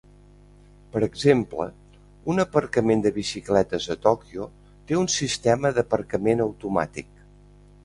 Per exemple, un aparcament de bicicletes a Tokyo té un sistema d"aparcament automàtic.